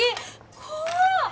怖っ。